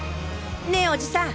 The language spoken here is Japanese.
ねえおじさん！